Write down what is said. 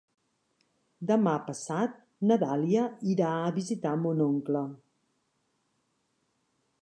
Demà passat na Dàlia irà a visitar mon oncle.